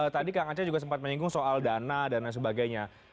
tadi kang aceh juga sempat menyinggung soal dana dan lain sebagainya